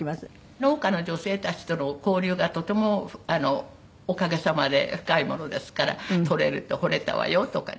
農家の女性たちとの交流がとてもおかげさまで深いものですから採れると「掘れたわよ」とかね。